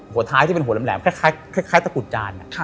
หัวท้ายที่เป็นหัวแหลมคล้ายตะกุดจาน